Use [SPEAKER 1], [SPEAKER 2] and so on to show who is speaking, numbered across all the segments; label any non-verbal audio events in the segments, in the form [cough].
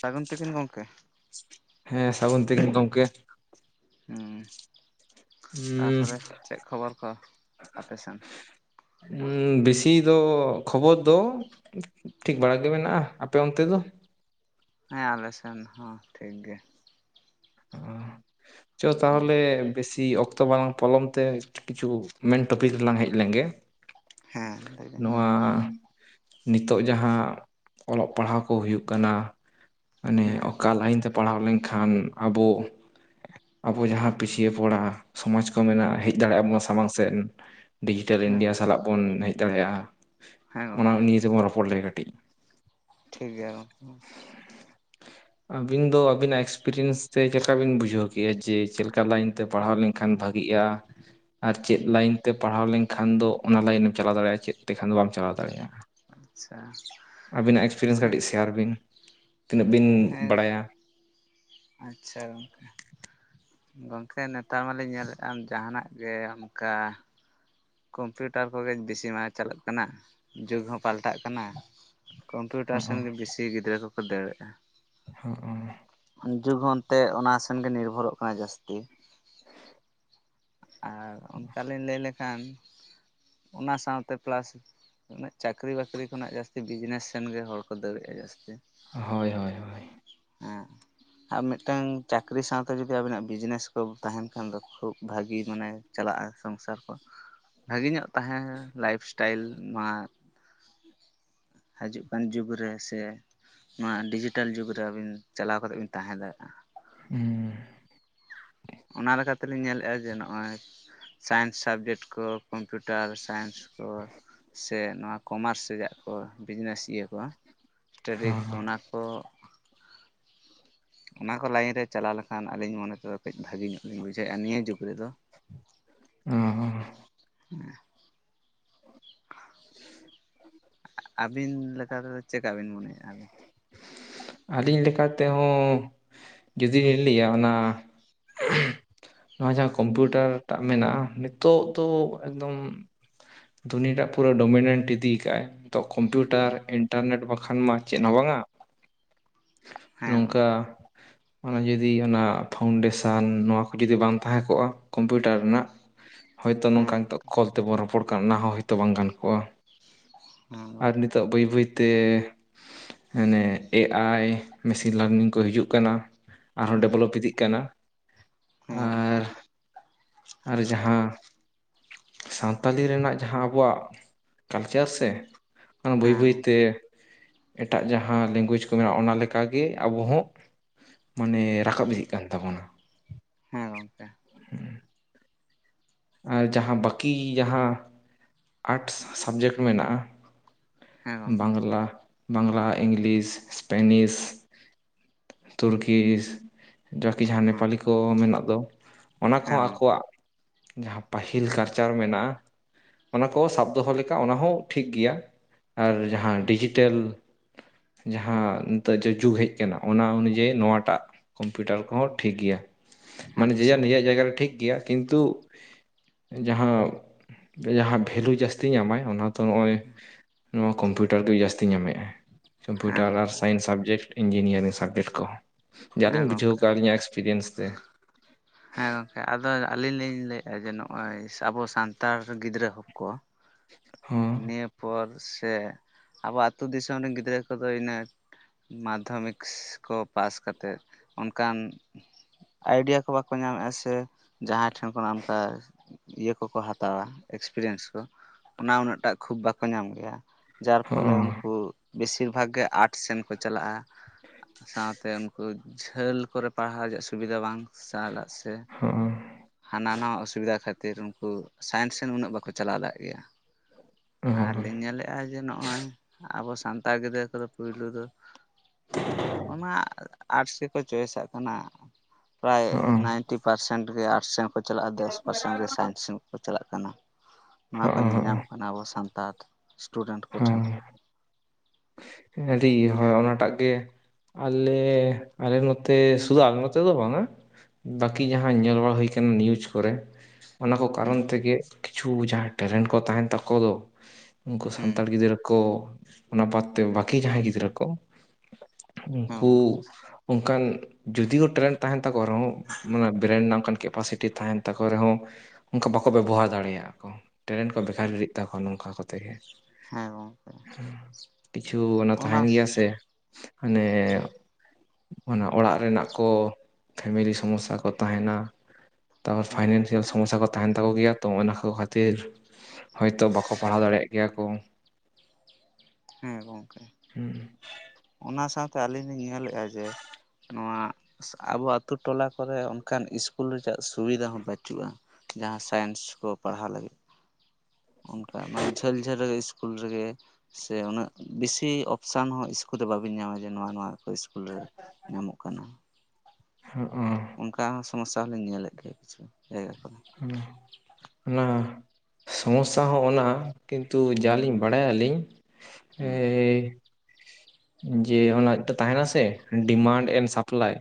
[SPEAKER 1] ᱥᱟᱹᱜᱩᱱ ᱛᱤᱠᱤᱱ ᱜᱚᱢᱠᱮ
[SPEAKER 2] ᱦᱮᱸ ᱥᱟᱹᱜᱩᱱ ᱛᱤᱠᱤᱱ ᱜᱚᱝᱠᱮ ᱩᱸ
[SPEAKER 1] ᱛᱟᱯᱚᱨᱮ ᱪᱮᱫ ᱠᱷᱚᱵᱚᱨ ᱠᱚ ᱟᱯᱮᱥᱮᱱ
[SPEAKER 2] ᱵᱮᱥᱤ ᱫᱚ ᱠᱷᱚᱵᱚᱨ ᱫᱚ ᱴᱷᱤᱠ ᱵᱟᱲᱟ ᱜᱮ ᱢᱮᱱᱟᱜᱼᱟ ᱟᱯᱮ ᱚᱱᱛᱮ ᱫᱚ
[SPEAKER 1] ᱦᱮᱸ ᱟᱞᱮ ᱥᱮᱱ ᱦᱚᱸ ᱴᱷᱤᱠ ᱜᱮ
[SPEAKER 2] ᱪᱚ
[SPEAKER 1] ᱦᱩᱸ
[SPEAKER 2] ᱛᱟᱦᱚᱠᱮ ᱵᱮᱥᱤ ᱚᱠᱛᱚ ᱛᱚ ᱵᱟᱝᱞᱟᱝ ᱯᱚᱞᱚᱢ ᱛᱮ ᱠᱤᱪᱷᱩ ᱢᱮᱱ ᱴᱚᱯᱤᱠ ᱨᱮᱞᱟᱝ ᱦᱮᱡ ᱞᱮᱱᱜᱮ
[SPEAKER 1] ᱦᱮᱸ ᱞᱟᱹᱭᱵᱤᱱ ᱜᱚᱢᱠᱮ
[SPEAKER 2] ᱱᱚᱣᱟ ᱱᱤᱛᱚᱜ ᱡᱟᱦᱟᱸ ᱚᱞᱚᱜ ᱯᱟᱲᱦᱟᱣ ᱠᱚ ᱦᱩᱭᱩᱜ ᱠᱟᱱᱟ ᱢᱟᱱᱮ
[SPEAKER 1] ᱦᱮᱸ
[SPEAKER 2] ᱚᱠᱟ ᱞᱟᱭᱤᱱ ᱛᱮ ᱯᱟᱲᱦᱟᱣ ᱞᱮᱱᱠᱷᱟᱱ ᱟᱵᱚ ᱟᱵᱚ ᱡᱟᱦᱟᱸ ᱯᱤᱪᱷᱭᱟᱹ ᱯᱚᱲᱟ ᱥᱚᱢᱟᱡᱽ ᱠᱚ ᱢᱮᱱᱟᱜᱼᱟ ᱦᱮᱡ ᱫᱟᱲᱮᱭᱟᱜᱼᱟ ᱵᱚ ᱥᱟᱢᱟᱝ ᱥᱮᱫ ᱰᱤᱡᱤᱴᱮᱞ
[SPEAKER 1] ᱦᱮᱸ
[SPEAKER 2] ᱤᱱᱰᱤᱭᱟ
[SPEAKER 1] ᱜᱚᱢᱠᱮ
[SPEAKER 2] ᱥᱟᱞᱟᱜ ᱵᱚᱱ ᱦᱮᱡ ᱫᱟᱲᱮᱭᱟᱜᱼᱟ
[SPEAKER 1] ᱦᱮᱸ
[SPEAKER 2] ᱚᱱᱟ
[SPEAKER 1] ᱜᱚᱢᱠᱮ
[SPEAKER 2] ᱱᱤᱭᱮ ᱛᱮᱵᱚᱱ ᱨᱚᱯᱚᱲ ᱞᱮᱜᱮ ᱠᱟᱹᱴᱤᱡ
[SPEAKER 1] ᱴᱷᱤᱠ ᱜᱮᱭᱟ ᱜᱚᱝᱠᱮ
[SPEAKER 2] ᱟᱹᱵᱤᱱ ᱫᱚ ᱟᱵᱤᱱᱟᱜ ᱮᱠᱥᱯᱮᱨᱤᱭᱮᱱᱥ ᱛᱮ ᱪᱮᱠᱟ ᱵᱤᱱ ᱵᱩᱡᱷᱟᱹᱣ ᱠᱼᱟ ᱡᱮ ᱪᱮᱫ ᱞᱮᱠᱟ ᱞᱟᱭᱤᱱ ᱛᱮ ᱯᱟᱲᱦᱟᱣ ᱞᱮᱱ ᱠᱷᱟᱱ ᱵᱷᱟᱹᱜᱤᱜᱼᱟ ᱟᱨ ᱪᱮᱫ ᱞᱟᱹᱭᱤᱱ ᱛᱮ ᱯᱟᱲᱦᱟᱣ ᱞᱮᱱᱠᱷᱟᱱ ᱫᱚ ᱚᱱᱟ ᱞᱟᱹᱭᱤᱱᱮᱢ ᱪᱟᱞᱟᱣ ᱫᱟᱲᱮᱭᱟᱜᱼᱟ ᱪᱮᱫ ᱛᱮᱠᱷᱟᱱ ᱫᱚ ᱵᱟᱢ ᱪᱟᱞᱟᱣ ᱫᱟᱲᱮᱭᱟᱜᱼᱟ
[SPEAKER 1] ᱟᱪᱪᱷᱟ
[SPEAKER 2] ᱟᱵᱤᱱᱟᱜ ᱮᱠᱥᱯᱨᱤᱭᱮᱱᱥ ᱠᱟᱹᱴᱤᱡ ᱥᱮᱭᱟᱨ ᱵᱤᱱ ᱛᱤᱱᱟᱹᱜ ᱵᱤᱱ
[SPEAKER 1] ᱦᱮᱸ
[SPEAKER 2] ᱵᱟᱲᱟᱭᱟ
[SPEAKER 1] ᱟᱪᱪᱷᱟ ᱜᱚᱝᱠᱮ ᱜᱚᱝᱠᱮ ᱱᱮᱛᱟᱨ ᱢᱟᱞᱤᱧ ᱧᱮᱞᱮᱫᱼᱟ ᱡᱟᱦᱟᱱᱟᱜ ᱜᱮ ᱚᱱᱠᱟ ᱠᱚᱢᱯᱤᱭᱩᱴᱟᱨ ᱠᱚᱜᱮ ᱵᱮᱥᱤ ᱢᱟ ᱪᱟᱞᱟᱜ ᱠᱟᱱᱟ ᱡᱩᱜᱽ ᱦᱚᱸ ᱯᱟᱞᱴᱟᱜ ᱠᱟᱱᱟ ᱠᱚᱢᱯᱤᱭᱩᱴᱟᱨ
[SPEAKER 2] ᱦᱚᱸᱜᱼᱚ,
[SPEAKER 1] ᱥᱮᱱ ᱜᱮ ᱵᱮᱥᱤ ᱜᱤᱫᱽᱨᱟᱹ ᱠᱚ ᱠᱚ ᱫᱟᱹᱲᱮᱜᱼᱟ
[SPEAKER 2] ᱦ
[SPEAKER 1] ᱡᱩᱜᱽ ᱦᱚᱸ ᱚᱱᱛᱮ ᱚᱱᱟ ᱥᱮᱱ ᱜᱮ ᱱᱤᱨᱵᱷᱚᱨᱚᱜ ᱠᱟᱱᱟ ᱡᱟᱹᱥᱛᱤ ᱟᱨ ᱚᱱᱠᱟ ᱞᱤᱧ ᱞᱟᱹᱭ ᱞᱮᱠᱷᱟᱱ ᱚᱱᱟ ᱥᱟᱶᱛᱮ ᱯᱞᱟᱥ ᱩᱱᱟᱹᱜ ᱪᱟᱹᱠᱨᱤ ᱵᱟᱹᱠᱨᱤ ᱠᱷᱚᱱᱟᱜ ᱡᱟᱹᱥᱛᱤ ᱵᱤᱡᱽᱱᱮᱥ ᱥᱮᱱ ᱜᱮ ᱦᱚᱲ ᱠᱚ ᱫᱟᱹᱲᱮᱜᱼᱟ ᱡᱟᱹᱥᱛᱤ
[SPEAKER 2] ᱦᱳᱭ ᱦᱳᱭ ᱦᱳᱭ
[SPEAKER 1] ᱦᱮᱸ ᱟᱨ ᱢᱤᱫᱴᱟᱝ ᱪᱟᱹᱠᱨᱤ ᱥᱟᱶᱛᱮ ᱡᱩᱫᱤ ᱟᱵᱤᱱᱟᱜ ᱵᱤᱡᱽᱱᱮᱥ ᱠᱚ ᱛᱟᱦᱮᱱ ᱠᱷᱟᱱ ᱫᱚ ᱠᱷᱩᱵ ᱵᱷᱟᱜᱤ ᱢᱟᱱᱮ ᱪᱟᱞᱟᱜᱼᱟ ᱥᱚᱝᱥᱟᱨ ᱠᱚ ᱵᱷᱟᱹᱜᱮ ᱧᱚᱜ ᱛᱟᱦᱮᱸ ᱞᱟᱭᱯᱷ ᱮᱥᱴᱟᱤᱞ ᱢᱟ ᱦᱟᱡᱩᱜ ᱠᱟᱱ ᱡᱩᱜᱽ ᱨᱮ ᱥᱮᱻ ᱱᱚᱣᱟ ᱰᱤᱡᱤᱴᱟᱞ ᱡᱩᱜᱽ ᱨᱮ ᱟᱹᱵᱤᱱ ᱪᱟᱞᱟᱣ ᱠᱟᱛᱮᱫ ᱵᱤᱱ ᱛᱟᱦᱮᱸ ᱫᱟᱲᱮᱭᱟᱜᱼᱟ᱾
[SPEAKER 2] ᱦᱩᱸᱻ
[SPEAKER 1] ᱚᱱᱟ ᱞᱮᱠᱟ ᱛᱮ ᱞᱤᱧ ᱧᱮᱞᱮᱫᱼᱟ ᱡᱮ ᱱᱚᱜᱼᱚᱭ ᱥᱟᱭᱮᱱᱥ ᱥᱟᱵᱡᱮᱠᱴ ᱠᱚ ᱠᱚᱢᱯᱤᱭᱩᱴᱟᱨ ᱥᱟᱭᱮᱱᱥ ᱠᱚ ᱥᱮ ᱱᱚᱣᱟ ᱠᱚᱢᱟᱨᱥ ᱨᱮᱭᱟᱜ ᱠᱚ ᱵᱤᱡᱽᱱᱮᱥ ᱤᱭᱟᱹ ᱠᱚ ᱥᱴᱟᱰᱤ
[SPEAKER 2] ᱦᱚᱸ,
[SPEAKER 1] ᱚᱱᱟ ᱠᱚ ᱚᱱᱟ ᱠᱚ ᱞᱟᱭᱤᱱ ᱨᱮ ᱪᱟᱞᱟᱣ ᱞᱮᱠᱷᱟᱱ ᱟᱹᱞᱤᱧ ᱢᱚᱱᱮ ᱛᱮᱫᱚ ᱠᱟᱹᱡ ᱵᱷᱟᱹᱜᱮ ᱧᱚᱜ ᱞᱤᱧ ᱵᱩᱡᱷᱟᱹᱣᱼᱟ ᱱᱤᱭᱟᱹ ᱡᱩᱜᱽ ᱨᱮᱫᱚ
[SPEAKER 2] ᱩᱸ ᱦᱩᱸ
[SPEAKER 1] ᱦᱮᱸ ᱟᱹᱵᱤᱱ ᱞᱮᱠᱟᱛᱮᱫᱚ ᱪᱮᱠᱟ ᱵᱤᱱ ᱢᱚᱱᱮᱭᱮᱫᱼᱟ ᱟᱹᱵᱤᱱ
[SPEAKER 2] ᱟᱹᱞᱤᱧ ᱞᱮᱠᱟ ᱛᱮᱦᱚᱸᱻ ᱡᱩᱫᱤ ᱞᱤᱧ ᱞᱟᱹᱭᱟ ᱚᱱᱟ᱾ [unintelligible] ᱱᱚᱣᱟ ᱡᱟᱦᱟᱸ ᱠᱚᱢᱯᱤᱭᱩᱴᱟᱨ ᱴᱟᱜ ᱢᱮᱱᱟᱜᱼᱟ ᱱᱤᱛᱳᱜ ᱫᱚ ᱮᱠᱫᱚᱢ ᱫᱩᱱᱤᱭᱟᱹᱴᱟᱜ ᱯᱩᱨᱟᱹ ᱰᱳᱢᱤᱱᱮᱱᱴ ᱤᱫᱤ ᱟᱠᱟᱫ ᱟᱭ ᱛᱚ ᱠᱚᱢᱯᱤᱭᱩᱴᱟᱨ ᱤᱱᱴᱟᱨᱱᱮᱴ ᱵᱟᱝᱠᱷᱟᱱ ᱢᱟ ᱪᱮᱫ ᱦᱚᱸ ᱵᱟᱝᱟ
[SPEAKER 1] ᱦᱮᱸ
[SPEAKER 2] ᱱᱚᱝᱠᱟ᱾
[SPEAKER 1] ᱜᱚᱝᱠᱮ
[SPEAKER 2] ᱚᱱᱮ ᱡᱩᱫᱤ ᱚᱱᱟ ᱯᱷᱟᱣᱩᱱᱰᱮᱥᱚᱱ ᱱᱚᱣᱟ ᱠᱚ ᱡᱩᱫᱤ ᱵᱟᱝ ᱛᱟᱦᱮᱸ ᱠᱚᱜᱼᱟ ᱠᱚᱢᱯᱤᱭᱩᱴᱟᱨ ᱨᱮᱱᱟᱜ ᱦᱳᱭᱛᱳ
[SPEAKER 1] ᱦᱮᱸ
[SPEAKER 2] ᱱᱚᱝᱠᱟ ᱱᱤᱛᱚᱜ
[SPEAKER 1] ᱜᱚᱝᱠᱮ
[SPEAKER 2] ᱠᱚᱞ ᱛᱮᱵᱚᱱ ᱨᱚᱯᱚᱲ ᱠᱟᱱᱟ ᱚᱱᱟ ᱦᱚᱸ ᱦᱳᱭᱛᱳ ᱵᱟᱝ ᱜᱟᱱ ᱠᱚᱜᱼᱟ
[SPEAKER 1] ᱦᱮᱸ
[SPEAKER 2] [inaudible] ᱟᱨ
[SPEAKER 1] ᱜᱚᱝ
[SPEAKER 2] ᱱᱤᱛ ᱛᱚ ᱵᱟᱹᱭ ᱵᱟᱹᱭ ᱛᱮ ᱦᱮᱻ ᱮ ᱟᱭ ᱢᱮᱥᱤᱱ ᱞᱟᱨᱱᱤᱝ ᱠᱚ ᱦᱤᱡᱩᱜ ᱠᱟᱱᱟ ᱟᱨᱦᱚᱸ
[SPEAKER 1] ᱦᱮᱸ
[SPEAKER 2] ᱰᱮᱵᱷᱞᱚᱯ ᱤᱫᱤᱜ ᱠᱟᱱᱟ
[SPEAKER 1] ᱦᱮᱸ ᱜᱚᱝᱠᱮ
[SPEAKER 2] ᱟᱨ ᱟᱨ ᱡᱟᱦᱟᱸ ᱥᱟᱱᱛᱟᱞᱤ ᱨᱮᱱᱟᱜ ᱡᱟᱦᱟᱸ ᱟᱵᱚᱣᱟᱜ ᱠᱟᱞᱪᱟᱨ ᱥᱮ ᱚᱱᱟ ᱵᱟᱹᱭ
[SPEAKER 1] ᱦᱮᱸ ᱜᱚᱝᱠᱮ
[SPEAKER 2] ᱵᱟᱹᱭᱛᱮ ᱮᱴᱟᱜ ᱡᱟᱦᱟᱸ ᱞᱮᱝᱜᱩᱭᱮᱡᱽ ᱠᱚ ᱢᱮᱱᱟᱜᱼᱟ ᱚᱱᱟ ᱞᱮᱠᱟᱜᱮ ᱟᱵᱚ ᱦᱚᱸ ᱢᱟᱱᱮ ᱨᱟᱠᱟᱵ ᱤᱫᱤᱜ ᱠᱟᱱ ᱛᱟᱵᱚᱱᱟ᱾
[SPEAKER 1] ᱦᱮᱸ ᱜᱚᱝᱠᱮ
[SPEAKER 2] ᱟᱨ ᱡᱟᱦᱟᱸ ᱵᱟᱹᱠᱤ ᱡᱟᱦᱟᱸ ᱟᱴ ᱥᱟᱵᱽᱡᱮᱠᱴ ᱢᱮᱱᱟᱜᱼᱟ
[SPEAKER 1] ᱦᱮᱸ ᱜᱚᱝᱠᱮ
[SPEAKER 2] ᱵᱟᱝᱞᱟ᱾ ᱵᱟᱝᱞᱟ ᱤᱝᱞᱤᱥ ᱥᱯᱮᱱᱤᱥ ᱛᱩᱨᱠᱤ ᱡᱚ ᱠᱤ ᱡᱟᱦᱟᱸ
[SPEAKER 1] ᱦᱮᱸ
[SPEAKER 2] ᱱᱮᱯᱟᱞᱤ ᱠᱚ ᱢᱮᱱᱟᱜ ᱫᱚ ᱚᱱᱟ
[SPEAKER 1] ᱦᱮᱸ
[SPEAKER 2] ᱠᱚᱦᱚᱸ
[SPEAKER 1] ᱜᱚᱝᱠᱮ
[SPEAKER 2] ᱟᱠᱚᱣᱟᱜ ᱡᱟᱦᱟᱸ ᱯᱟᱹᱦᱤᱞ ᱠᱟᱞᱪᱟᱨ ᱢᱮᱱᱟᱜᱼᱟ ᱚᱱᱟ ᱠᱚ ᱥᱟᱵ ᱫᱚᱦᱚ ᱞᱮᱠᱟ ᱚᱱᱟ ᱦᱚᱸᱻ ᱴᱷᱤᱠ ᱜᱮᱭᱟ ᱟᱨ ᱡᱟᱦᱟᱸ ᱰᱤᱡᱤᱴᱟᱞ ᱡᱟᱦᱟᱸ ᱱᱤᱛᱚᱜ ᱡᱮ ᱡᱩᱜᱽ ᱦᱮᱡ ᱠᱟᱱᱟ ᱚᱱᱟ ᱚᱱᱩᱡᱟᱭᱤ ᱱᱚᱣᱟᱴᱟᱜ ᱠᱚᱢᱯᱤᱭᱩᱴᱟᱨ ᱠᱚᱦᱚᱸ ᱴᱷᱤᱠ ᱜᱤᱭᱟᱹ ᱢᱟᱱᱮ ᱡᱮ
[SPEAKER 1] ᱟᱪᱪᱷᱟ
[SPEAKER 2] ᱱᱤᱡᱟᱜ ᱡᱟᱭᱜᱟ ᱨᱮ ᱴᱷᱤᱠ ᱜᱮᱭᱟᱹ ᱠᱤᱱᱛᱩ ᱡᱟᱦᱟᱻ ᱡᱟᱦᱟᱸ ᱵᱷᱮᱞᱩ ᱡᱟᱹᱥᱛᱤ ᱧᱟᱢᱟᱭ ᱚᱱᱟ ᱛᱚ ᱱᱚᱜᱼᱚᱭ ᱱᱚᱣᱟ ᱠᱚᱢᱯᱤᱭᱩᱴᱟᱨ ᱜᱮ ᱡᱟᱹᱥᱛᱤ ᱧᱟᱢᱮᱫᱼᱟᱭ
[SPEAKER 1] ᱦᱮᱸ
[SPEAKER 2] ᱠᱚᱢᱯᱤᱭᱩᱴᱟᱨ ᱟᱨ ᱥᱟᱭᱮᱱᱥ ᱥᱟᱵᱽᱡᱮᱠᱴ ᱤᱧᱡᱤᱱᱤᱭᱟᱨᱤᱝ ᱥᱟᱵᱽᱡᱮᱠᱴ ᱠᱚ
[SPEAKER 1] ᱦᱮᱸ
[SPEAKER 2] ᱡᱟᱹᱞᱤᱧ ᱵᱩᱡᱷᱟᱹᱣ
[SPEAKER 1] ᱜᱚᱝᱠᱮ
[SPEAKER 2] ᱠᱟᱜ ᱟᱹᱞᱤᱧᱟᱜ ᱮᱥᱯᱮᱨᱤᱭᱮᱱᱥ ᱛᱮ [unintelligible]
[SPEAKER 1] ᱦᱮᱸ ᱜᱚᱢᱠᱮ ᱟᱫᱚ ᱟᱹᱞᱤᱧ ᱞᱤᱧ ᱞᱟᱹᱭᱮᱫᱼᱟ ᱡᱮ ᱱᱚᱜᱼᱚᱭ ᱟᱵᱚ ᱥᱟᱱᱛᱟᱲ ᱜᱤᱫᱽᱨᱟᱹ ᱦᱚ ᱠᱚ
[SPEAKER 2] ᱦᱚᱸ
[SPEAKER 1] ᱱᱤᱭᱟᱹ ᱯᱚᱨ ᱥᱮ ᱟᱵᱚ ᱟᱹᱛᱩᱳ ᱫᱤᱥᱚᱢ ᱨᱮᱱ ᱜᱤᱫᱽᱨᱟᱹ ᱠᱚᱫᱚ ᱤᱱᱟᱹᱜ ᱢᱟᱫᱷᱚᱢᱤᱮᱠᱥ ᱠᱚ ᱯᱟᱥ ᱠᱟᱛᱮᱫ ᱚᱱᱠᱟᱱ ᱮᱰᱤᱭᱟᱹ ᱠᱚ ᱵᱟᱠᱚ ᱧᱟᱢᱮᱫᱼᱟ ᱥᱮ ᱡᱟᱦᱟᱸᱭ ᱴᱷᱮᱱ ᱠᱷᱚᱱ ᱚᱱᱠᱟ ᱤᱭᱟᱹ ᱠᱚᱠᱚ ᱦᱟᱛᱟᱣᱟ ᱮᱠᱥᱯᱮᱨᱤᱭᱮᱱᱥ ᱠᱚ ᱚᱱᱟ ᱩᱱᱟᱹᱜ ᱴᱟ ᱠᱷᱩᱵ ᱵᱟᱠᱚ ᱧᱟᱢ ᱞᱮᱱᱟ ᱡᱟᱨ ᱯᱷᱚᱞᱚ
[SPEAKER 2] ᱦᱚᱸᱜᱼᱚ
[SPEAKER 1] [unintelligible] ᱵᱮᱥᱤᱨ ᱵᱷᱟᱜᱽ ᱜᱮ ᱟᱴᱥ ᱥᱮᱱ ᱠᱚ ᱪᱟᱞᱟᱜᱼᱟ ᱥᱟᱶᱛᱮ ᱩᱱᱠᱩ ᱡᱷᱟᱹᱞ ᱠᱚᱨᱮ ᱯᱟᱲᱦᱟᱣ ᱨᱮᱭᱟᱜ ᱥᱩᱵᱤᱫᱷᱟ ᱵᱟᱝ ᱥᱟᱞᱟᱜ ᱥᱮ
[SPEAKER 2] ᱦᱚᱸᱜᱼᱚ
[SPEAKER 1] ᱦᱟᱱᱟ ᱱᱟᱣᱟ ᱚᱥᱩᱵᱤᱫᱟ ᱠᱷᱟᱹᱛᱤᱨ ᱩᱱᱠᱩ ᱥᱟᱭᱮᱱᱥ ᱨᱮᱱ ᱩᱱᱟᱹᱜ ᱵᱟᱠᱚ ᱪᱟᱞᱟᱣ ᱫᱟᱲᱭᱟᱜ ᱜᱮᱭᱟ
[SPEAKER 2] ᱦᱚᱸᱜᱼᱚ
[SPEAKER 1] ᱟᱨᱞᱤᱧ ᱧᱮᱞᱮᱫᱼᱟ ᱡᱮ ᱱᱚᱜᱼᱚᱭ ᱟᱵᱚ ᱥᱟᱱᱛᱟᱲ ᱜᱤᱫᱽᱨᱟᱹ ᱠᱚᱫᱚ ᱯᱳᱭᱞᱳ ᱫᱚ ᱚᱱᱟ ᱟᱨᱴᱥ ᱨᱮᱠᱚ ᱪᱚᱭᱮᱥᱟᱜ ᱠᱟᱱᱟ ᱯᱨᱟᱭ
[SPEAKER 2] ᱦᱚᱸᱜᱼᱚ
[SPEAKER 1] ᱱᱟᱭᱤᱱ ᱴᱤ ᱯᱟᱨᱥᱮᱱᱴ ᱜᱮ ᱟᱨᱴᱥ ᱥᱮᱱ ᱠᱚ ᱪᱟᱞᱟᱜᱼᱟ ᱫᱚᱥ ᱯᱟᱨᱥᱮᱱᱴ ᱜᱮ ᱥᱟᱭᱮᱱᱥ ᱨᱮᱱ ᱠᱚ ᱪᱟᱞᱟᱜ ᱠᱟᱱᱟ ᱱᱚᱣᱟ ᱠᱚ ᱧᱮᱞ
[SPEAKER 2] ᱦᱚᱸᱜᱼᱚ
[SPEAKER 1] ᱧᱟᱢᱚᱜ ᱠᱟᱱᱟ ᱟᱵᱚ ᱥᱟᱱᱛᱟᱲ ᱥᱴᱩᱰᱮᱱᱴ ᱠᱚᱴᱷᱮᱱ
[SPEAKER 2] ᱦᱚᱸᱜᱼᱚ ᱟᱹᱰᱤ ᱤᱭᱟᱹ ᱦᱚᱲ ᱚᱱᱟᱴᱟᱜ ᱜᱮ ᱟᱞᱮᱻ ᱟᱞᱮ ᱱᱚᱛᱮ ᱥᱩᱫᱩ ᱟᱞᱮ ᱱᱚᱛᱮ ᱫᱚ ᱵᱟᱝᱟ ᱵᱟᱹᱠᱤ ᱡᱟᱦᱟᱸ ᱧᱮᱞ ᱵᱟᱲᱟ ᱦᱩᱭ ᱠᱟᱱᱟ ᱱᱤᱭᱩᱡᱽ ᱠᱚᱨᱮ ᱚᱱᱟ ᱠᱚ
[SPEAKER 1] ᱦᱩᱸ
[SPEAKER 2] ᱠᱟᱨᱚᱱ ᱛᱮᱜᱮ ᱠᱤᱪᱷᱩ ᱡᱟᱦᱟᱸ ᱴᱮᱞᱮᱱᱴ ᱠᱚ ᱛᱟᱦᱮᱱ ᱛᱟᱠᱚ ᱫᱚ ᱩᱱᱠᱩ ᱥᱟᱱᱛᱟᱲ
[SPEAKER 1] ᱦᱩᱸ
[SPEAKER 2] ᱜᱤᱫᱽᱨᱟᱹ ᱠᱚ ᱚᱱᱟ ᱵᱟᱫ ᱛᱮ ᱵᱟᱹᱠᱤ ᱡᱟᱦᱟᱸᱭ
[SPEAKER 1] ᱦᱮᱸ
[SPEAKER 2] ᱜᱤᱫᱽᱨᱟᱹ ᱠᱚ ᱩᱱᱠᱩᱻ ᱚᱱᱠᱟᱱ ᱡᱩᱫᱤᱭᱳ ᱴᱨᱮᱱ ᱛᱟᱦᱮᱱ ᱛᱟᱠᱚ ᱨᱮᱦᱚᱸ ᱢᱟᱱᱮ ᱵᱨᱮᱱ ᱚᱱᱠᱟᱱ ᱠᱮᱯᱟᱥᱤᱴᱤ ᱛᱟᱦᱮᱱ ᱛᱟᱠᱚ ᱨᱮᱦᱚᱸ ᱚᱱᱠᱟ ᱵᱟᱠᱚ ᱵᱮᱵᱚᱦᱟᱨ ᱫᱟᱲᱮᱭᱟᱜᱼᱟ ᱠᱚ ᱴᱮᱞᱮᱱᱴ ᱠᱚ ᱵᱮᱠᱟᱨ ᱛᱟᱠᱚᱣᱟ ᱱᱚᱝᱠᱟ ᱠᱟᱛᱮ
[SPEAKER 1] ᱦᱮᱸ ᱜᱚᱢᱠᱮ
[SPEAKER 2] ᱠᱤᱪᱷᱩ ᱚᱱᱟ ᱛᱟᱦᱮᱬᱱ ᱜᱮᱭᱟ ᱥᱮ ᱢᱟᱱᱮ
[SPEAKER 1] ᱦᱮᱸ
[SPEAKER 2] ᱚᱱᱟ ᱚᱲᱟᱜ ᱨᱮᱱᱟᱜ ᱠᱚ ᱯᱷᱮᱢᱮᱞᱤ ᱥᱚᱢᱚᱥᱥᱟ ᱠᱚ ᱛᱟᱦᱮᱸᱱᱟ ᱛᱟᱨᱯᱚᱨ
[SPEAKER 1] ᱦᱮᱸ
[SPEAKER 2] ᱯᱷᱟᱭᱱᱮᱱᱥᱤᱭᱟᱞ ᱥᱚᱢᱚᱥᱥᱟ ᱠᱚ ᱛᱟᱦᱮᱸᱱ ᱛᱟᱠᱚ ᱜᱮᱭᱟ ᱛᱚ ᱚᱱᱟ ᱠᱚ ᱠᱷᱟᱹᱛᱤᱨ ᱦᱳᱭᱛᱳ ᱵᱟᱠᱚ ᱯᱟᱲᱦᱟᱣ ᱫᱟᱲᱮᱭᱟᱜ ᱜᱮᱭᱟ ᱠᱚ
[SPEAKER 1] ᱦᱮᱸ ᱜᱚᱝᱠᱮ
[SPEAKER 2] ᱦᱮᱸ
[SPEAKER 1] ᱚᱱᱟ ᱥᱟᱶᱛᱮ ᱟᱹᱞᱤᱧ ᱞᱤᱧ ᱧᱮᱞᱮᱫᱼᱟ ᱡᱮ ᱱᱚᱣᱟ ᱟᱵᱚ ᱟᱛᱩ ᱴᱚᱞᱟ ᱠᱚᱨᱮ ᱚᱱᱠᱟᱱ ᱤᱥᱠᱩᱞ ᱨᱮᱭᱟᱜ ᱥᱩᱵᱤᱫᱷᱟ ᱦᱚᱸ ᱵᱟᱹᱪᱩᱜᱼᱟ ᱡᱟᱦᱟᱸ ᱥᱟᱭᱮᱱᱥ ᱠᱚ ᱯᱟᱲᱦᱟᱣ ᱞᱟᱹᱜᱤᱫ ᱚᱱᱠᱟ ᱢᱟᱱᱮ ᱡᱷᱟᱹᱞ ᱡᱷᱟᱹᱞ ᱨᱮᱜᱮ ᱥᱠᱩᱞ ᱨᱮ ᱜᱮ ᱥᱮ ᱩᱱᱟᱹᱜ ᱵᱮᱥᱤ ᱚᱯᱷᱥᱮᱱ ᱦᱚᱸ ᱤᱥᱠᱩᱞ ᱫᱚ ᱵᱟᱹᱵᱤᱱ ᱧᱟᱢᱟ ᱡᱮ ᱱᱚᱣᱟ ᱱᱚᱣᱟ ᱠᱚ ᱥᱠᱩᱞ ᱨᱮ ᱧᱟᱢᱚᱜ ᱠᱟᱱᱟ
[SPEAKER 2] ᱦᱮᱜ ᱮ
[SPEAKER 1] ᱚᱱᱠᱟ ᱦᱚᱸ ᱥᱚᱢᱚᱥᱥᱟ ᱦᱚᱞᱤᱧ ᱧᱮᱞᱮᱫ ᱜᱮᱭᱟ ᱠᱤᱪᱷᱩ [unintelligible] ᱠᱚᱫᱚ
[SPEAKER 2] ᱚᱱᱟ ᱥᱚᱢᱚᱥᱥᱟ ᱦᱚᱸ ᱚᱱᱟ ᱠᱤᱱᱛᱩ ᱡᱟᱞᱤᱧ ᱵᱟᱲᱟᱭᱟ ᱟᱹᱞᱤᱧ
[SPEAKER 1] ᱦᱮᱸ
[SPEAKER 2] ᱡᱮ ᱮᱠᱴᱟ ᱛᱟᱦᱮᱸᱱᱟ ᱥᱮ ᱰᱤᱢᱟᱱᱰ ᱮᱱᱰ ᱥᱟᱯᱞᱟᱭ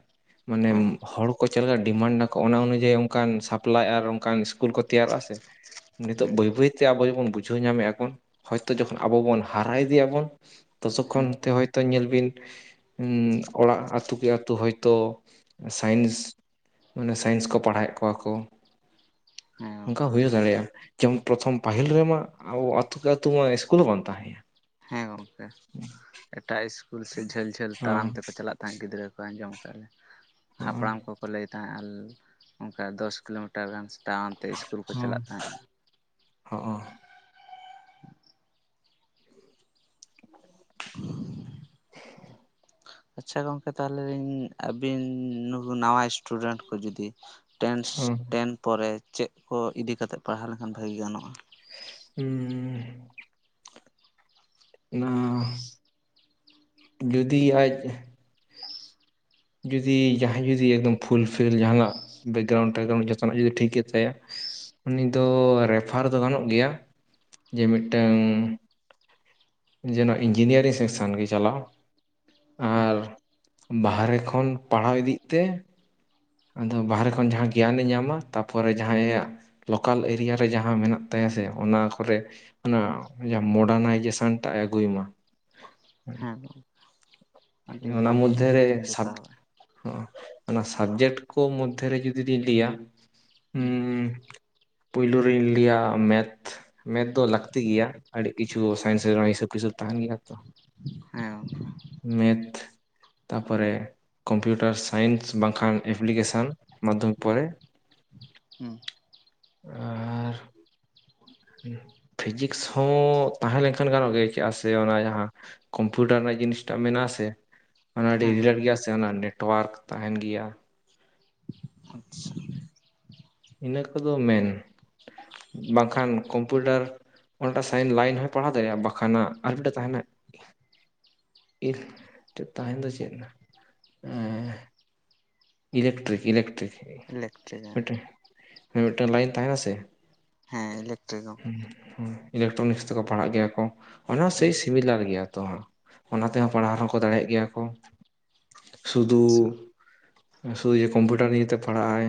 [SPEAKER 2] ᱢᱟᱱᱮ
[SPEAKER 1] ᱦᱮᱸ
[SPEAKER 2] ᱦᱚᱲ ᱠᱚ ᱪᱮᱫᱮᱠᱟ ᱰᱤᱢᱟᱱᱰ ᱱᱟᱠᱚ ᱚᱱᱟ ᱚᱱᱩᱡᱟᱭᱤ ᱚᱱᱠᱟᱱ ᱥᱟ ᱯᱞᱟᱭ ᱟᱨ ᱚᱱᱠᱟᱱ ᱤᱥᱠᱩᱞ ᱠᱚ ᱛᱮᱭᱟᱨᱚᱜᱼᱟ ᱥᱮ ᱱᱤᱛᱚᱜ
[SPEAKER 1] ᱦᱮᱸ
[SPEAKER 2] ᱵᱟᱹᱭ ᱵᱟᱹᱭ ᱛᱮ ᱟᱵᱚ ᱡᱮ ᱵᱚᱱ ᱵᱩᱡᱷᱟᱹᱣ ᱧᱟᱢᱮᱫᱼᱟᱵᱚᱱ ᱦᱚᱭᱛᱳ ᱡᱚᱠᱷᱚᱱ ᱟᱵᱚ ᱵᱚᱱ ᱦᱟᱨᱟ ᱤᱫᱤᱜ ᱟᱵᱚᱱ
[SPEAKER 1] ᱦᱮᱸ
[SPEAKER 2] ᱛᱚᱥᱚᱠᱷᱚᱱᱛᱮ ᱦᱚᱭᱛᱳ ᱧᱮᱞ ᱵᱤᱱ ᱩᱸ ᱚᱲᱟᱜ ᱟᱹᱛᱩ ᱠᱮ ᱟᱛᱳ ᱦᱚᱭᱛᱳ ᱥᱟᱭᱮᱱᱥ ᱢᱟᱱᱮ ᱥᱟᱭᱮᱱᱥ ᱠᱚ ᱯᱟᱲᱦᱟᱣᱮᱫ ᱠᱚᱣᱟ ᱠᱚ
[SPEAKER 1] ᱦᱮᱸ
[SPEAKER 2] ᱚᱱᱠᱟ ᱦᱩᱭ ᱫᱟᱲᱮᱭᱟᱜᱼᱟ ᱡᱮᱢᱚᱱ ᱯᱨᱚᱛᱷᱚᱢ ᱯᱟᱹᱦᱤᱞ ᱨᱮᱢᱟ ᱟᱵᱚ ᱟᱹᱛᱩ ᱠᱮ ᱟᱹᱛᱩ ᱢᱟ ᱤᱥᱠᱩᱞ ᱦᱚᱸ ᱵᱟᱝ ᱛᱟᱦᱮᱸᱭᱟ
[SPEAKER 1] ᱦᱮᱸ ᱜᱚᱢᱠᱮ ᱮᱴᱟᱜ ᱤᱥᱠᱩᱞ ᱥᱮ ᱡᱷᱟᱹᱞ ᱡᱷᱟᱹᱞ
[SPEAKER 2] ᱦᱚᱸ
[SPEAKER 1] ᱛᱟᱲᱟᱢ ᱛᱮᱠᱚ ᱪᱟᱞᱟᱜ ᱛᱟᱦᱮᱸᱫ ᱜᱤᱫᱽᱨᱟᱹ ᱠᱚ ᱟᱸᱡᱚᱢ ᱟᱠᱟᱫᱼᱟ ᱞᱤᱧ
[SPEAKER 2] ᱦᱚᱸ
[SPEAKER 1] ᱦᱟᱯᱲᱟᱢ ᱠᱚᱠᱚ ᱞᱟᱹᱭ ᱛᱟᱦᱮᱸᱫ ᱟᱨ ᱚᱱᱠᱟ ᱫᱚᱥ ᱠᱤᱞᱳᱢᱤᱴᱟᱨ ᱜᱟᱱ ᱛᱟᱲᱟᱢ ᱛᱮ ᱤᱥᱠᱩᱞ ᱠᱚ ᱪᱟᱞᱟᱜ ᱛᱟᱦᱮᱸᱜᱼᱟ
[SPEAKER 2] ᱦ
[SPEAKER 1] ᱟᱪᱪᱷᱟ ᱜᱚᱝᱠᱮ ᱛᱟᱦᱞᱮᱧ ᱟᱹᱵᱤᱱ ᱱᱩᱠᱩ ᱱᱟᱣᱟ ᱥᱴᱩᱰᱮᱱᱴ ᱠᱚ ᱡᱚᱫᱤ ᱴᱮᱱᱥ
[SPEAKER 2] ᱦᱚᱸ ᱦᱚᱸ
[SPEAKER 1] ᱴᱮᱱ ᱯᱚᱨᱮ ᱪᱮᱫ ᱠᱚ ᱤᱫᱤᱠᱟᱛᱮᱫ ᱯᱟᱲᱦᱟᱣ ᱞᱮᱱᱠᱷᱟᱱ ᱵᱷᱟᱹᱜᱤ ᱜᱟᱱᱚᱜᱼᱟ
[SPEAKER 2] ᱦᱮᱸ ᱚᱱᱟ ᱡᱩᱫᱤ ᱟᱡ ᱡᱩᱫᱤ ᱡᱟᱦᱟᱸᱭ ᱡᱩᱫᱤ ᱮᱠᱫᱚᱢ ᱯᱷᱩᱞᱯᱷᱤᱞ ᱡᱟᱦᱟᱸᱱᱟᱜ ᱵᱮᱠᱜᱨᱟᱣᱩᱱᱰ ᱴᱮᱠᱨᱟᱩᱱᱰ ᱡᱚᱛᱱᱟᱜ ᱡᱩᱫᱤ ᱴᱷᱤᱠ ᱜᱮ ᱛᱟᱭᱟ ᱩᱱᱤ ᱫᱚ ᱨᱮᱯᱷᱟᱨ ᱫᱚ ᱜᱟᱱᱚᱜ ᱜᱮᱭᱟ ᱡᱮ ᱢᱤᱫᱴᱟᱝ ᱡᱮᱱᱚ ᱤᱧᱡᱤᱱᱤᱭᱟᱨᱤᱝ ᱥᱮᱠᱥᱚᱱ ᱜᱮ ᱪᱟᱞᱟᱣ
[SPEAKER 1] ᱦᱩᱸ
[SPEAKER 2] ᱟᱨ ᱵᱟᱦᱨᱮ ᱠᱷᱚᱱ ᱯᱟᱲᱦᱟᱣ ᱤᱫᱤᱜ ᱛᱮ ᱟᱫᱚ ᱵᱟᱦᱨᱮ ᱠᱷᱚᱱ ᱡᱟᱦᱟ ᱜᱮᱭᱟᱱᱮ ᱧᱟᱢᱟ ᱛᱟᱨᱯᱚᱨᱮ ᱡᱟᱦᱟᱭᱟᱜ ᱞᱳᱠᱟᱞ ᱮᱨᱤᱭᱟ ᱨᱮ ᱡᱟᱦᱟ ᱢᱮᱱᱟᱜ ᱛᱟᱭᱟ ᱥᱮ ᱚᱱᱟ ᱠᱚᱨᱮ ᱚᱱᱟ ᱢᱚᱰᱟ ᱱᱟᱭᱡᱮᱥᱚᱱ ᱴᱟᱜ ᱟᱹᱜᱩᱭ ᱢᱟ᱾
[SPEAKER 1] ᱦᱮᱸ ᱜᱚᱝᱠᱮ ᱟᱹᱰᱤ
[SPEAKER 2] ᱚᱱᱟ
[SPEAKER 1] ᱵᱷᱟᱹᱜᱤ
[SPEAKER 2] ᱢᱚᱫᱽᱫᱷᱮ ᱨᱮ
[SPEAKER 1] ᱡᱩᱠᱛᱤᱵᱤᱱ
[SPEAKER 2] ᱥᱟᱵ
[SPEAKER 1] ᱫᱮᱠᱷᱟᱣᱟ
[SPEAKER 2] ᱚᱱᱟ ᱥᱟᱵᱡᱮᱠᱴ ᱠᱚ ᱢᱚᱫᱽᱫᱷᱮᱨᱮ ᱡᱩᱫᱤ ᱞᱤᱧ ᱞᱟᱹᱭᱟ
[SPEAKER 1] ᱦᱮᱸ
[SPEAKER 2] ᱯᱩᱭᱞᱳ ᱨᱮᱧ ᱞᱟ. ᱭ ᱢᱮᱛᱷ ᱢᱮᱛᱷ ᱫᱚ ᱞᱟᱹᱠᱛᱤ ᱜᱮᱭᱟ ᱟᱹᱰᱤ ᱠᱤᱪᱷᱩ ᱥᱟᱭᱮᱱᱥ ᱨᱮ ᱦᱤᱥᱟᱹᱵ ᱠᱤᱥᱟᱹᱵ ᱛᱟᱦᱮᱸᱱ ᱜᱮᱭᱟ ᱛᱚ
[SPEAKER 1] ᱦᱮᱸ ᱜᱚᱢᱠᱮ᱾
[SPEAKER 2] ᱱᱤᱛᱷ ᱛᱟᱯᱚᱨᱮ ᱠᱚᱢᱯᱤᱭᱩᱴᱟᱨ ᱥᱟᱭᱮᱱᱥ ᱵᱟᱝᱠᱷᱟᱱ ᱮᱯᱞᱤ ᱠᱮᱥᱟᱞ ᱢᱟᱫᱽᱫᱷᱚᱢᱤᱠ ᱯᱚᱨᱮ
[SPEAKER 1] ᱦᱩᱸ
[SPEAKER 2] ᱟᱻᱟ ᱯᱷᱤᱡᱤᱠᱥ ᱦᱚᱸ ᱛᱟᱦᱮᱸ ᱞᱮᱱᱠᱷᱟᱱ ᱜᱟᱱᱚᱜ ᱜᱮᱭᱟ ᱪᱮᱫᱟᱜ ᱥᱮ ᱚᱱᱟ ᱡᱟᱦᱟᱸ ᱠᱚᱢᱯᱤᱭᱩᱴᱟᱨ ᱨᱮᱱᱟᱜ ᱡᱤᱱᱤᱥᱴᱟ ᱢᱮᱱᱟᱜᱼᱟ ᱟᱥᱮ, ᱚᱱᱟ ᱟᱹᱰᱤ
[SPEAKER 1] ᱦᱮᱸ
[SPEAKER 2] ᱨᱤᱭᱟᱴ
[SPEAKER 1] ᱜᱚᱝᱠᱮ
[SPEAKER 2] ᱜᱮᱭᱟ ᱥᱮ ᱚᱱᱟ ᱱᱮᱴᱚᱣᱟᱨᱠ ᱛᱟᱦᱮᱱ ᱜᱮᱭᱟ᱾
[SPEAKER 1] ᱟᱪᱪᱷᱟ
[SPEAKER 2] ᱤᱱᱟᱹ ᱠᱚᱫᱚ ᱢᱮᱱ ᱵᱟᱝᱠᱷᱟᱱ ᱠᱚᱢᱯᱤᱭᱩᱴᱟᱨ ᱚᱱᱟᱴᱟᱜ ᱥᱟᱭᱤᱱ ᱞᱟᱭᱤᱱ ᱦᱚᱸᱭ ᱯᱟᱲᱦᱟᱣ ᱫᱟᱲᱮᱭᱟᱜᱼᱟ ᱵᱟᱠᱷᱟᱱᱟᱜ ᱟᱨ ᱢᱤᱫᱴᱟᱝ ᱛᱟᱦᱮᱱᱟ᱾ ᱤᱦ ᱛᱟᱮ ᱫᱚ ᱪᱮᱫ ᱞᱮᱱᱟᱜ ᱮᱸᱻ ᱤᱞᱮᱠᱴᱨᱤᱠ ᱤᱞᱮᱠᱴᱨᱤᱠ
[SPEAKER 1] ᱤᱞᱮᱠᱴᱨᱤ
[SPEAKER 2] ᱢᱤᱫᱴᱮᱱ ᱢᱤᱫᱴᱟᱝ ᱞᱟᱭᱤᱱ ᱛᱟᱦᱮᱱᱟ ᱥᱮ,
[SPEAKER 1] ᱦᱮᱸ ᱤᱞᱮᱠᱴᱨᱤ ᱟᱪᱪᱷᱟ
[SPEAKER 2] ᱦᱩᱸ ᱤᱞᱮᱠᱴᱨᱚᱱᱤᱠᱥ ᱛᱮᱠᱚ ᱯᱟᱲᱦᱟᱜ ᱜᱮᱭᱟ ᱠᱚ᱾ ᱚᱵᱚᱥᱥᱚᱭ ᱥᱤᱢᱤᱞᱟᱨ ᱜᱮᱭᱟ ᱛᱚ ᱚᱱᱟ ᱛᱮᱦᱚᱸ ᱯᱟᱲᱦᱟᱣᱦᱚᱸ ᱠᱚ ᱫᱟᱲᱮᱭᱟᱜ ᱜᱮᱭᱟ ᱠᱚ᱾
[SPEAKER 1] ᱦᱩᱸ ᱦᱮᱸ
[SPEAKER 2] ᱥᱩᱫᱩ ᱥᱩᱫᱷᱩ ᱡᱮ ᱠᱚᱢᱯᱤᱭᱩᱴᱟᱨ ᱱᱤᱭᱮᱛᱮ ᱯᱟᱲᱦᱟᱜᱼᱟᱭ᱾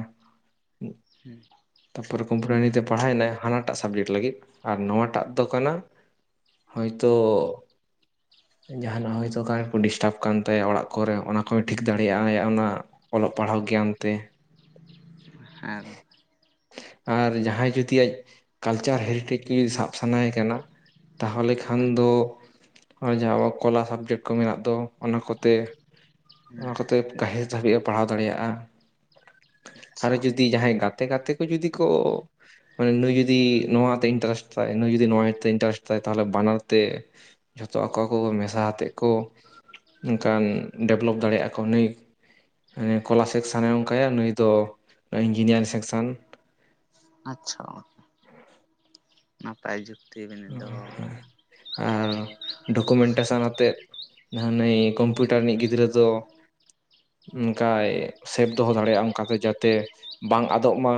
[SPEAKER 2] ᱛᱟᱨᱯᱚᱨᱮ ᱠᱚᱢᱯᱤᱭᱩᱴᱟᱨ ᱱᱤᱭᱟ. ᱛᱮ ᱯᱟᱲᱦᱟᱣᱮᱱᱟᱭ ᱦᱟᱱᱟᱴᱟᱜ ᱥᱟᱵᱡᱮᱠᱴ ᱞᱟᱹᱜᱤᱫ ᱟᱨ ᱱᱚᱣᱟᱴᱟᱜ ᱫᱚ ᱠᱟᱱᱟ ᱦᱳᱭ ᱛᱚ ᱡᱟᱦᱟᱱᱟᱜ ᱦᱚᱭᱛᱳ ᱠᱟᱨᱮᱱᱴ ᱠᱚ ᱰᱤᱥᱴᱟᱵ ᱠᱟᱱ ᱛᱟᱭᱟ ᱚᱲᱟᱜ ᱠᱚᱨᱮ ᱚᱱᱟ ᱠᱚᱭ ᱴᱷᱤᱠ ᱫᱟᱲᱮᱭᱟᱜ ᱟᱭ ᱚᱱᱟ᱾ ᱚᱞᱚᱜ ᱯᱟᱲᱦᱟᱣ ᱜᱮᱭᱟᱱ ᱛᱮ᱾ ᱟᱨ ᱡᱟᱦᱟᱸᱭ ᱡᱩᱫᱤ ᱟᱡ ᱠᱟᱞᱪᱟᱨ ᱦᱮᱨᱤᱴᱮᱡᱽ ᱥᱟᱵ ᱥᱟᱱᱟᱭᱮ ᱠᱟᱱᱟ᱾ ᱛᱟᱦᱚᱞᱮ ᱠᱷᱟᱱ
[SPEAKER 1] ᱦᱩᱸ
[SPEAKER 2] ᱫᱚ ᱚᱱᱮ ᱡᱟᱦᱟᱸ ᱟᱵᱚᱣᱟᱜ ᱠᱚᱞᱟ ᱥᱟᱵᱽᱡᱮᱠᱴ ᱠᱚ ᱢᱮᱱᱟᱜ ᱫᱚ ᱚᱱᱟ ᱠᱚᱛᱮ ᱚᱱᱟ ᱠᱚᱛᱮ ᱜᱟᱹᱦᱤᱨ ᱫᱷᱟᱹᱵᱤᱡ ᱮ ᱯᱟᱲᱦᱟᱣ ᱫᱟᱲᱮᱭᱟᱜᱼᱟ᱾ ᱟᱨᱚ
[SPEAKER 1] ᱟᱪᱪᱷᱟ
[SPEAKER 2] ᱡᱩᱫᱤ ᱡᱟᱦᱟᱸᱭ ᱜᱟᱛᱮ ᱜᱟᱛᱮ ᱠᱚ ᱡᱩᱫᱤ ᱠᱚ ᱢᱟᱱᱮ ᱱᱩᱭ ᱡᱩᱫᱤ ᱱᱚᱣᱟ ᱛᱮ ᱤᱱᱴᱟᱨᱮᱥᱴ ᱛᱟᱭ ᱱᱩᱭ ᱡᱩᱫᱤ ᱱᱚᱣᱟ ᱛᱮ ᱤᱱᱴᱟᱨᱮᱥᱴ ᱛᱟᱭ ᱛᱟᱦᱚᱞᱮ ᱵᱟᱱᱟᱨ ᱛᱮ ᱡᱷᱚᱛᱚ ᱟᱠᱚ ᱠᱚ ᱢᱮᱥᱟ ᱟᱛᱮᱫ ᱠᱚ ᱱᱠᱟᱱ ᱰᱮᱵᱷᱞᱚᱯ ᱫᱟᱲᱮᱭᱟᱜᱼᱟ ᱠᱚ ᱱᱩᱭ ᱢᱟᱱᱮ ᱠᱚᱞᱟ ᱥᱮᱠ ᱥᱟᱱᱟᱮ ᱚᱱᱠᱟᱭᱟ ᱱᱩᱭ ᱫᱚ ᱤᱧᱡᱤᱱᱤᱭᱟᱨᱤᱝ ᱥᱮᱠᱥᱮᱱ᱾
[SPEAKER 1] ᱟᱪᱪᱷᱟ᱾ ᱯᱟᱭ ᱡᱩᱠᱛᱤ ᱵᱤᱱ ᱫᱚᱦᱚ ᱠᱟᱜ-ᱟ᱾
[SPEAKER 2] ᱟᱨ ᱰᱚᱠᱩᱢᱮᱱ ᱴᱮᱥᱚᱱ ᱟᱛᱮᱫ [inaudible] ᱱᱟᱭ ᱠᱚᱢᱯᱤᱭᱩᱴᱟᱨ ᱨᱤᱱᱤᱡ ᱜᱤᱫᱽᱨᱟᱹ ᱫᱚ ᱚᱱᱠᱟᱭ ᱥᱮᱯ ᱫᱚᱦᱚ ᱫᱟᱲᱮᱭᱟᱜ-ᱟ ᱚᱱᱠᱟ ᱫᱚ ᱡᱟᱛᱮ ᱵᱟᱝ ᱟᱫᱚᱜ ᱢᱟ᱾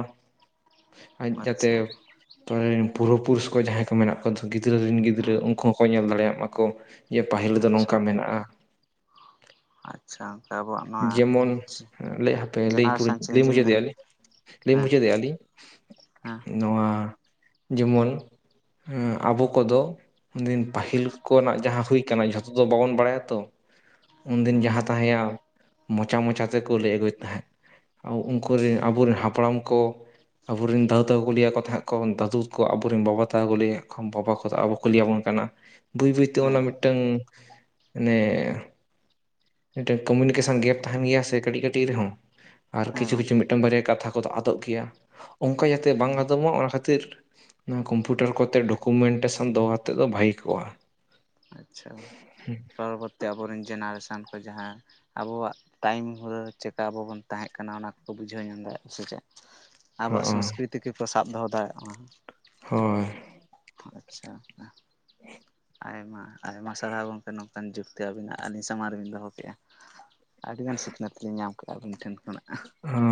[SPEAKER 2] ᱟᱸᱜ ᱡᱟᱛᱮ
[SPEAKER 1] ᱟᱪᱪᱷᱟ
[SPEAKER 2] ᱯᱚᱨᱮ ᱨᱮᱱ ᱯᱩᱨᱵᱚ ᱯᱩᱨᱩᱥ ᱠᱚ ᱡᱟᱦᱟᱸᱭ ᱢᱮᱱᱟᱜ ᱠᱚ ᱜᱤᱫᱽᱨᱟᱹ ᱨᱮᱱ ᱜᱤᱫᱽᱨᱟᱹ
[SPEAKER 1] ᱦᱮᱸ
[SPEAKER 2] ᱩᱱᱠᱩ ᱦᱚᱸᱠᱚ ᱧᱮᱞ ᱫᱟᱲᱮᱭᱟᱜ ᱢᱟᱠᱚ ᱡᱮ ᱯᱟᱹᱦᱤᱞ ᱫᱚ
[SPEAKER 1] ᱟᱪᱪᱷᱟ
[SPEAKER 2] ᱱᱚᱝᱠᱟ ᱢᱮᱱᱟᱜᱼᱟ᱾
[SPEAKER 1] ᱟᱪᱪᱷᱟ [unintelligible]
[SPEAKER 2] ᱡᱮᱢᱚᱱ ᱞᱟᱹᱭ ᱦᱟᱯᱮ ᱞᱟᱹᱭ
[SPEAKER 1] ᱡᱮᱱᱟᱨᱮᱥᱚᱱ
[SPEAKER 2] ᱞᱟᱹᱭ
[SPEAKER 1] ᱪᱮᱧᱡᱤᱝ ᱫᱷᱟᱹᱨᱤᱡ
[SPEAKER 2] ᱢᱩᱪᱟᱹᱫᱮᱭᱟᱞᱤᱧ᱾ ᱞᱟᱹᱭ
[SPEAKER 1] ᱦᱮᱸ
[SPEAKER 2] ᱢᱩᱪᱟᱹᱫᱮᱜᱼᱟ ᱞᱤᱧ
[SPEAKER 1] ᱦᱮᱸ
[SPEAKER 2] ᱱᱚᱣᱟ ᱡᱮᱢᱚᱱ ᱦᱩᱸ ᱟᱵᱚ ᱠᱚᱫᱚ ᱫᱤᱱ ᱯᱟᱹᱦᱤᱞ ᱠᱚᱨᱮᱱᱟᱜ ᱡᱟᱦᱟᱸ ᱦᱩᱭ ᱠᱟᱱᱟ ᱡᱷᱚᱛᱚ ᱫᱚ ᱵᱟᱵᱚᱱ ᱵᱟᱲᱟᱭᱟ ᱛᱚ ᱩᱱᱫᱤᱱ ᱡᱟᱦᱟᱸ ᱛᱟᱦᱮᱸᱭᱟ ᱢᱚᱪᱟ ᱢᱚᱪᱟ ᱛᱮᱠᱚ ᱞᱟᱹᱭ ᱟᱹᱜᱩᱭᱮᱫ ᱛᱟᱦᱮᱸᱫ ᱩᱱᱠᱩ ᱨᱮᱱ ᱟᱵᱚᱨᱮᱱ ᱦᱟᱯᱲᱟᱢ ᱠᱚ ᱟᱵᱚᱨᱮᱱ ᱫᱟᱫᱟ ᱛᱟᱠᱚ ᱠᱩ ᱞᱮᱭᱟ ᱟᱠᱚ ᱛᱟᱦᱮᱸᱫ ᱠᱚ ᱫᱟᱹᱫᱩ ᱛᱟᱠᱚ ᱟᱵᱚᱨᱮᱱ ᱵᱟᱵᱟ ᱛᱟᱠᱚ ᱞᱮᱭᱟ ᱟᱠᱚ ᱵᱟᱵᱟ ᱠᱚᱫᱚ ᱟᱵᱚ᱾ ᱠᱩ ᱞᱟᱹᱭ ᱟᱵᱚᱱ ᱠᱟᱱᱟ ᱵᱟᱹᱭ ᱵᱟᱹᱭ ᱛᱮ
[SPEAKER 1] ᱦᱮᱸ ᱦᱮᱸ
[SPEAKER 2] ᱚᱱᱟ
[SPEAKER 1] ᱜᱚᱝᱠᱮ
[SPEAKER 2] ᱢᱤᱫᱴᱟᱝ ᱢᱟᱱᱮ ᱢᱤᱫᱴᱮᱱ ᱠᱚᱢᱤᱱᱤᱠᱮᱥᱚᱱ ᱜᱮᱯ ᱛᱟᱦᱮᱱ ᱜᱮᱭᱟ ᱥᱮ ᱠᱟᱹᱴᱤᱡ ᱠᱟᱹᱴᱤᱡ ᱨᱮᱦᱚᱸ ᱟᱨ
[SPEAKER 1] ᱦᱮᱸ
[SPEAKER 2] ᱠᱤᱪᱷᱩ ᱠᱤᱪᱷᱩ
[SPEAKER 1] ᱜᱚᱝᱠᱮ
[SPEAKER 2] ᱢᱤᱫᱴᱟᱝ ᱵᱟᱨᱭᱟ ᱠᱟᱛᱷᱟ ᱠᱚᱫᱚ ᱟᱫᱚᱜ ᱜᱮᱭᱟ ᱚᱱᱠᱟ ᱡᱟᱛᱮ ᱵᱟᱝ
[SPEAKER 1] ᱦᱩᱸ
[SPEAKER 2] ᱟᱫᱚᱜ ᱢᱟ ᱚᱱᱟ ᱠᱷᱟᱹᱛᱤᱨ ᱱᱩ ᱠᱚᱢᱯᱤᱭᱩᱴᱟᱨ ᱠᱚᱛᱮ ᱰᱚᱠᱩᱢᱮᱱᱴᱮᱥᱚᱱ ᱫᱚᱦᱚ ᱠᱟᱛᱮᱫ ᱫᱚ ᱵᱷᱟᱭᱜᱤ ᱠᱚᱜ-ᱟ᱾
[SPEAKER 1] ᱚᱛᱛᱮ ᱟᱵᱚᱨᱮᱱ ᱡᱮᱱᱟᱨᱮᱥᱚᱱ ᱠᱚ ᱡᱟᱦᱟᱸ ᱟᱵᱚᱣᱟᱜ ᱴᱟᱭᱤᱢ ᱦᱚ ᱪᱮᱠᱟ ᱟᱵᱚ ᱵᱚᱱ ᱛᱟᱦᱮᱸ ᱠᱟᱱᱟ ᱚᱱᱟ ᱠᱚᱠᱚ ᱵᱩᱡᱷᱟᱹᱣ ᱧᱟᱢ ᱫᱟᱲᱮᱭᱟᱜ-ᱟ ᱥᱮ ᱪᱮᱫ? ᱟᱵᱚᱣᱟᱜ
[SPEAKER 2] ᱦᱚᱸᱜᱼᱚᱭ
[SPEAKER 1] ᱥᱚᱝᱥᱠᱨᱤᱛᱤ ᱠᱚ ᱥᱟᱵ ᱫᱚᱦᱚ ᱫᱟᱲᱮᱭᱟᱜ ᱢᱟ᱾
[SPEAKER 2] ᱦᱳᱭ᱾
[SPEAKER 1] ᱟᱪᱪᱷᱟ᱾
[SPEAKER 2] [unintelligible]
[SPEAKER 1] ᱟᱭᱢᱟ ᱟᱭᱢᱟ ᱥᱟᱨᱦᱟᱣ ᱜᱚᱢᱠᱮ ᱱᱚᱝᱠᱟᱱ ᱡᱩᱠᱛᱤ ᱟᱹᱵᱤᱱᱟᱜ ᱟᱹᱞᱤᱧ ᱥᱟᱢᱟᱝ ᱨᱮᱵᱤᱱ ᱫᱚᱦᱚ ᱠᱮᱜ-ᱟ᱾ ᱟᱹᱰᱤᱜᱟᱱ ᱥᱤᱠᱷᱱᱟᱹᱛ ᱞᱤᱧ ᱧᱟᱢ ᱠᱟᱜ-ᱟ ᱟᱹᱵᱤᱱ ᱴᱷᱮᱱ ᱠᱷᱚᱱᱟᱜ᱾
[SPEAKER 2] ᱦᱟᱸ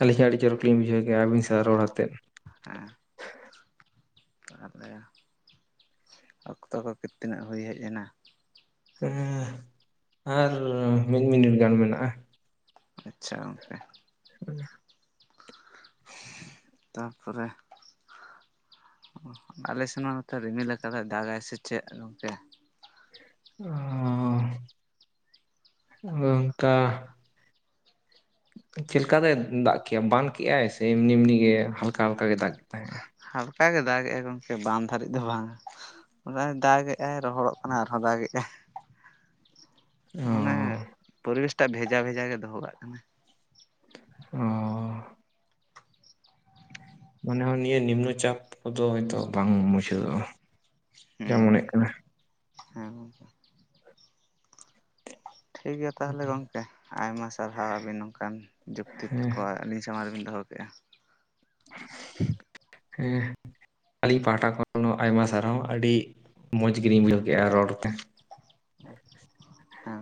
[SPEAKER 2] ᱟᱹᱞᱤᱧ ᱦᱚᱸ ᱟᱹᱰᱤ ᱪᱚᱨᱚᱠ ᱞᱤᱧ ᱵᱩᱡᱷᱟᱹᱣ ᱠᱮᱫᱟ ᱟᱹᱵᱤᱱ ᱥᱟᱶ ᱨᱚᱲ ᱟᱛᱮᱫ᱾
[SPEAKER 1] ᱦᱮᱸ ᱟᱯᱱᱟ ᱨᱟ ᱚᱠᱛᱚ ᱠᱚ ᱜᱤ ᱛᱤᱱᱟᱹᱜ ᱦᱩᱭ ᱦᱮᱡ ᱮᱱᱟ?
[SPEAKER 2] ᱟᱨ ᱢᱤᱫ ᱢᱤᱱᱤᱴ ᱜᱟᱱ ᱢᱮᱱᱟᱜ-ᱟ᱾
[SPEAKER 1] ᱟᱪᱪᱷᱟ ᱜᱚᱢᱠᱮ᱾
[SPEAKER 2] [unintelligible]
[SPEAKER 1] ᱛᱟᱯᱚᱨᱮ ᱚ ᱟᱞᱮ ᱥᱮᱱ ᱢᱟ ᱱᱚᱛᱮ ᱨᱤᱢᱤᱞ ᱟᱠᱟᱫᱟᱭ ᱫᱟᱜ-ᱟᱭ ᱥᱮ ᱪᱮᱫ ᱜᱚᱢᱠᱮ?
[SPEAKER 2] ᱚᱻ ᱚᱱᱠᱟ᱾ ᱪᱮᱫ ᱞᱮᱠᱟ ᱫᱚᱭ ᱫᱟᱜ ᱠᱮᱫ-ᱟ ᱵᱟᱱ ᱠᱮᱫ ᱟᱭ ᱥᱮ ᱮᱢᱱᱤ ᱮᱢᱱᱤ ᱜᱮ ᱦᱟᱞᱠᱟ ᱦᱟᱞᱠᱟ ᱜᱮ ᱫᱟᱜ ᱠᱮᱫ ᱛᱟᱦᱮᱸᱜ?
[SPEAKER 1] ᱦᱟᱞᱠᱟ ᱜᱮ ᱫᱟᱜ ᱮ ᱟᱭ ᱜᱚᱢᱠᱮ ᱵᱟᱱ ᱫᱷᱟᱹᱨᱤᱡ ᱫᱚ ᱵᱟᱝ-ᱟ᱾ ᱚᱱᱟ ᱫᱟᱜ ᱮᱫᱟᱭ ᱨᱚᱦᱚᱲᱚᱜ ᱠᱟᱱᱟ ᱟᱨᱦᱚᱸ ᱫᱟᱜ ᱮᱜ-ᱟᱭ᱾
[SPEAKER 2] ᱚ
[SPEAKER 1] ᱢᱟᱱᱮ ᱯᱚᱨᱤᱵᱮᱥᱴᱟᱜ ᱵᱷᱮᱡᱟ ᱵᱷᱮᱡᱟ ᱜᱮ ᱫᱚᱦᱚ ᱠᱟᱜ ᱠᱟᱱᱟᱭ᱾
[SPEAKER 2] ᱚᱻ ᱢᱚᱱᱮ ᱦᱚᱸ ᱱᱤᱭᱟᱹ ᱱᱤᱢᱱᱚ ᱪᱟᱯ ᱠᱚᱫᱚ ᱦᱚᱭᱛᱚ ᱵᱟᱝ ᱢᱩᱪᱟᱹᱫᱚᱜ-ᱟ ᱡᱟ
[SPEAKER 1] ᱦᱩᱸ
[SPEAKER 2] ᱢᱚᱱᱮᱜ ᱠᱟᱱᱟ᱾
[SPEAKER 1] ᱦᱮᱸ ᱜᱚᱢᱠᱮ᱾ ᱴᱷᱤᱠ ᱜᱮᱭᱟ ᱛᱟᱦᱚᱞᱮ ᱜᱚᱢᱠᱮ ᱟᱭᱢᱟ ᱥᱟᱨᱦᱟᱣ ᱟᱹᱵᱤᱱ ᱱᱚᱝᱠᱟᱱ ᱡᱩᱠᱛᱤ
[SPEAKER 2] ᱦᱮᱸ
[SPEAKER 1] ᱠᱚ ᱟᱹᱞᱤᱧ ᱥᱟᱢᱟᱝ ᱨᱮᱵᱮᱱ ᱫᱚᱦᱚ ᱠᱮᱫ-ᱟ᱾
[SPEAKER 2] ᱦᱮᱸ ᱟᱹᱞᱤᱧ ᱯᱟᱦᱟᱴᱟ ᱠᱷᱚᱱ ᱦᱚᱸ ᱟᱭᱢᱟ ᱥᱟᱨᱦᱟᱣ ᱟᱹᱰᱤ ᱢᱚᱡᱽ ᱜᱮᱞᱤᱧ ᱵᱩᱡᱷᱟᱹᱣ ᱠᱮᱫ-ᱟ ᱨᱚᱲᱛᱮ᱾
[SPEAKER 1] ᱦᱮᱸ